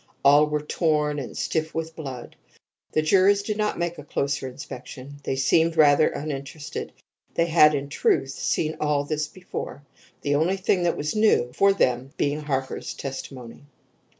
All were torn, and stiff with blood. The jurors did not make a closer inspection. They seemed rather uninterested. They had, in truth, seen all this before; the only thing that was new to them being Harker's testimony.